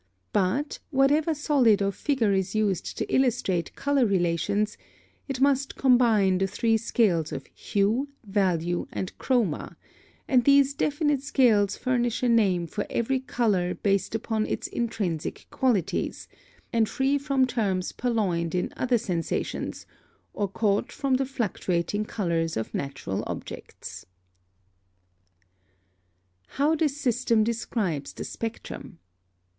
But, whatever solid or figure is used to illustrate color relations, it must combine the three scales of hue, value, and chroma, and these definite scales furnish a name for every color based upon its intrinsic qualities, and free from terms purloined in other sensations, or caught from the fluctuating colors of natural objects. [Footnote 5: For description of the Color Tree see paragraphs 33 and 34.] +How this system describes the spectrum.